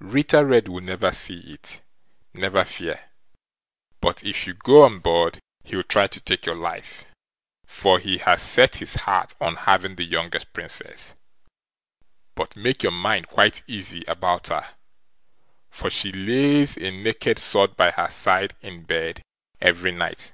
"Ritter Red will never see it, never fear; but if you go on board, he'll try to take your life, for he has set his heart on having the youngest Princess; but make your mind quite easy about her, for she lays a naked sword by her side in bed every night."